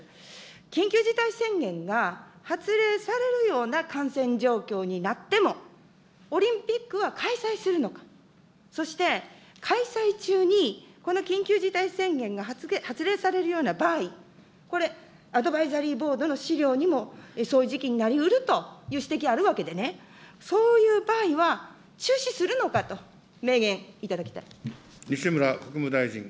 緊急事態宣言が発令されるような感染状況になっても、オリンピックは開催するのか、そして、開催中にこの緊急事態宣言が発令されるような場合、これ、アドバイザリーボードの資料にも、そういう時期になりうるという指摘があるわけでね、そういう場合は、中止するのかと、明言いただきたい。